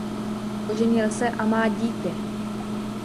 Oženil se a má dítě.